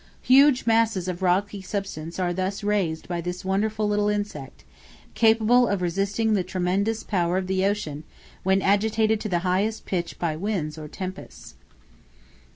Huge masses of rocky substances are thus raised by this wonderful little insect, capable of resisting the tremendous power of the ocean when agitated to the highest pitch by winds or tempests.